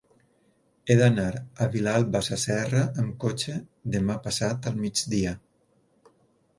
He d'anar a Vilalba Sasserra amb cotxe demà passat al migdia.